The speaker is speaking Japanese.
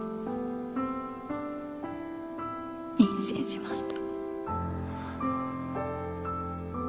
妊娠しました